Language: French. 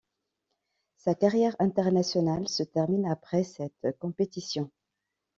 Sa carrière internationale se termine après cette compétition.